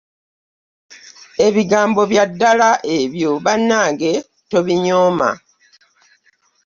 Ebigambo bya ddala ebyo bannange tobinyooma.